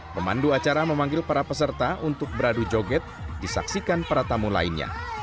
pemandu acara memanggil para peserta untuk beradu joget disaksikan para tamu lainnya